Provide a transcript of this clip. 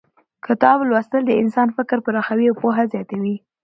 کتاب لوستل د انسان فکر پراخوي او پوهه زیاتوي